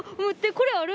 これある！